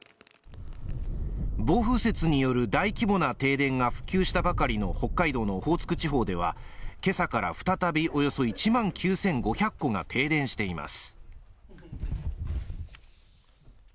暴風雪による大規模な停電が復旧したばかりの北海道のオホーツク地方では今朝から再び、およそ１万９５００戸が停電しています